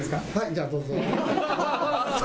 じゃあどうぞ。